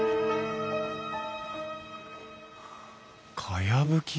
かやぶき